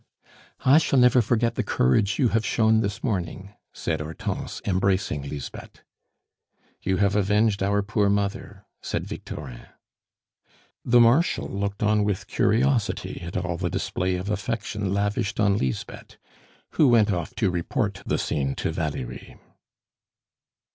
"I shall never forget the courage you have shown this morning," said Hortense, embracing Lisbeth. "You have avenged our poor mother," said Victorin. The Marshal looked on with curiosity at all the display of affection lavished on Lisbeth, who went off to report the scene to Valerie.